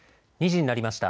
２時になりました。